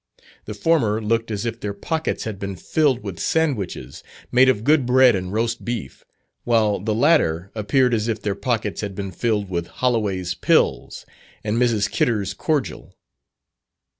The former looked as if their pockets had been filled with sandwiches, made of good bread and roast beef, while the latter appeared as if their pockets had been filled with Holloway's Pills, and Mrs. Kidder's Cordial.